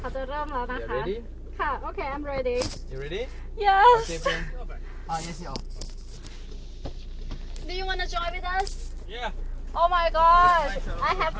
สร้างรับ